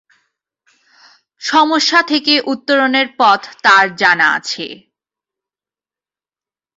সমস্যা থেকে উত্তরণের পথ তার জানা আছে।